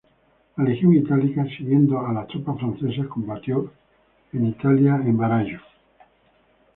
La Legión Italica, siguiendo a las tropas francesas, combatió en Italia en Varallo.